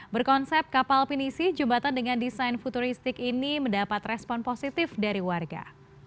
berkonsep kapal pinisi jembatan dengan desain futuristik ini mendapat respon positif dari warga